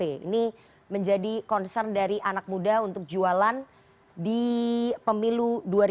ini menjadi concern dari anak muda untuk jualan di pemilu dua ribu dua puluh